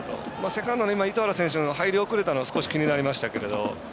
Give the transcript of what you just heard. セカンドの糸原選手入り遅れたのが少し気になりましたけど